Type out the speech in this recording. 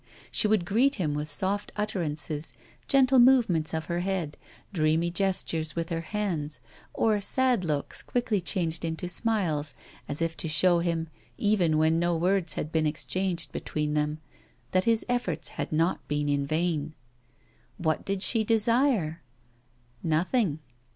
She would greet him with soft utterances, gentle movements of her head, dreamy gestures with her hands, or sad looks quickly changed into smiles, as if to show him, even when no words had been exchanged between them, that his efforts had not been in vain. What did she desire? Nothing.